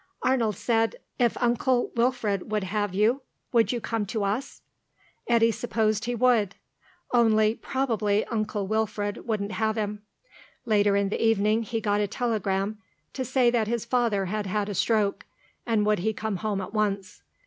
Arnold said, "If Uncle Wilfred would have you, would you come to us?" Eddy supposed he would. Only probably Uncle Wilfred wouldn't have him. Later in the evening he got a telegram to say that his father had had a stroke, and could he come home at once.